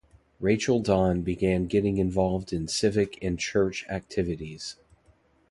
Rachel Don began getting involved in civic and church activities.